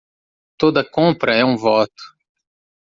Toda compra é um voto.